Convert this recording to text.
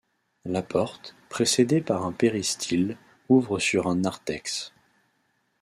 La porte, précédée par un péristyle, ouvre sur un narthex.